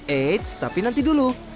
eits tapi nanti dulu